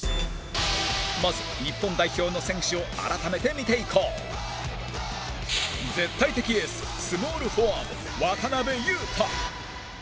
まず、日本代表の選手を改めて見ていこう絶対的エーススモールフォワード、渡邊雄太